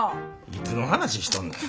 いつの話しとんねん。